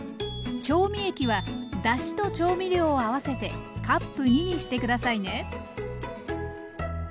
調味液はだしと調味料を合わせてカップに２にして下さいね。